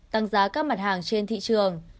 tăng giá các mặt hàng trên thị trường